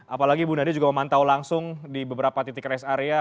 apalagi bu nadia juga memantau langsung di beberapa titik rest area